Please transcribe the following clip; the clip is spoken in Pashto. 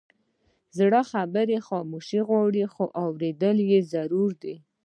زړه خبرې خاموشي غواړي، خو اورېدل یې ضروري دي.